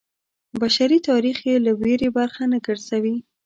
بشري تاریخ یې له ویرې برخه نه ګرځوي.